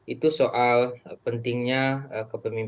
itu soal pentingnya kepemimpinan